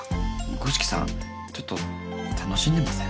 五色さんちょっと楽しんでません？